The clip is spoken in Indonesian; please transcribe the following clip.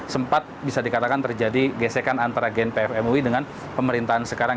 sempat bisa dikatakan terjadi gesekan antara gnpf mui dengan pemerintahan sekarang